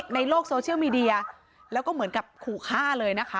ในโลกโซเชียลมีเดียแล้วก็เหมือนกับขู่ฆ่าเลยนะคะ